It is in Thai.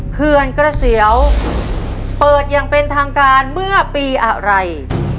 เขื่อนกระเสียวเปิดอย่างเป็นทางการเมื่อปีอะไร